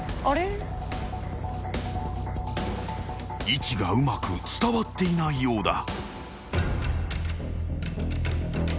［位置がうまく伝わっていないようだ］